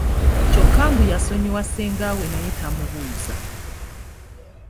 Kyokka mbu yasonyiwa ssenga we naye tamubuuza.